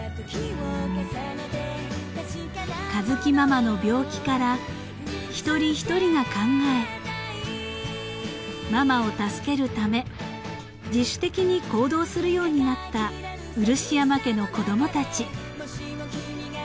［佳月ママの病気から一人一人が考えママを助けるため自主的に行動するようになったうるしやま家の子供たち］